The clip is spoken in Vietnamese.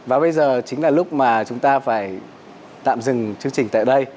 và bây giờ chính là lúc mà chúng ta phải tạm dừng chương trình tại đây